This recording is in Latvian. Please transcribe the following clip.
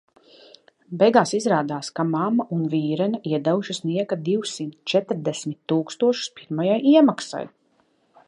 Beigās izrādās, ka mamma un vīrene iedevušas nieka divsimt četrdesmit tūkstošus pirmajai iemaksai.